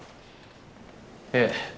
ええ。